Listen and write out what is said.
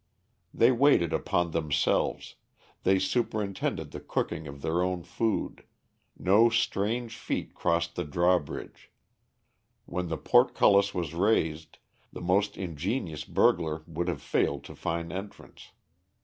They waited upon themselves, they superintended the cooking of their own food, no strange feet crossed the drawbridge. When the portcullis was raised, the most ingenious burglar would have failed to find entrance.